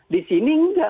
di sini enggak